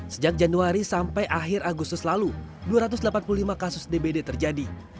sejak januari sampai akhir agustus lalu dua ratus delapan puluh lima kasus dbd terjadi